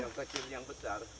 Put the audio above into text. burung kecil yang besar